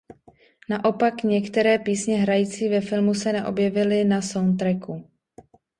Naopak některé písně hrající ve filmu se neobjevily na soundtracku.